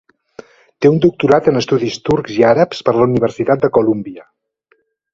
Té un doctorat en estudis turcs i àrabs per la Universitat de Columbia.